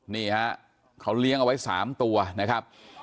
นี่ฮะเขาเลี้ยงเอาไว้๓ตัวนะครับ